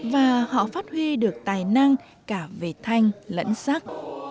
và họ phát huy được tài năng cả về thanh lẫn sắc